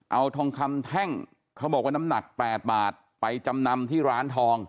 เอาทองคำแท่งเขาบอกว่าน้ำหนัก๘บาทไปจำนำที่ร้านทอง